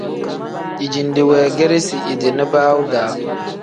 Dijinde weegeresi idi nibaawu-daa.